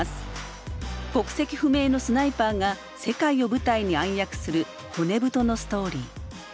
国籍不明のスナイパーが世界を舞台に暗躍する骨太のストーリー。